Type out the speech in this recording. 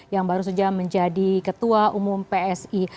yang baru saja menjadi ketua umum psi